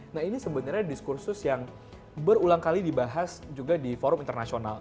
nah ini sebenarnya diskursus yang berulang kali dibahas juga di forum internasional